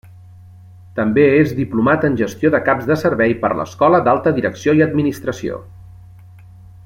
També és diplomat en gestió de caps de servei per l'Escola d'Alta Direcció i Administració.